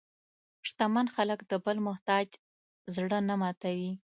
شتمن خلک د بل محتاج زړه نه ماتوي.